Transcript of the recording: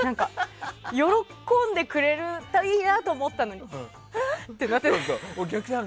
喜んでくれるといいなと思ったのにひい！ってなってて。